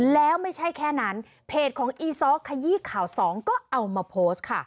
แล้วไม่ใช่แค่นั้นเพจของอีซ้อขยี้ข่าวสองก็เอามาโพสต์ค่ะ